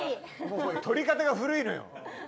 とり方が古いのよ。